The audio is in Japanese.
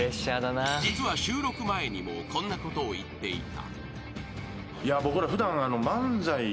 ［実は収録前にもこんなことを言っていた］